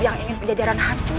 yang ingin penjajaran hancur